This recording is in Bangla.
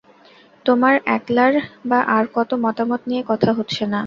তোমার একলার বা আর-কারো মতামত নিয়ে কথা হচ্ছে না।